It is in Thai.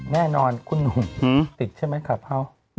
แน่นอนคุณหนุ่มติดใช่ไหมคลับเฮาส์